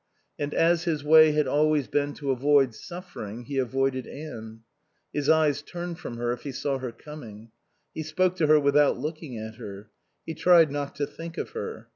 And as his way had always been to avoid suffering, he avoided Anne. His eyes turned from her if he saw her coming. He spoke to her without looking at her. He tried not to think of her.